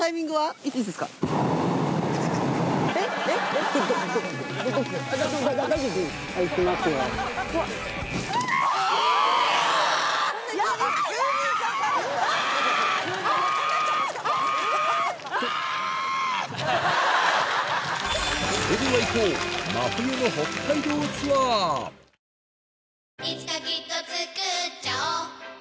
いつかきっとつくっちゃおう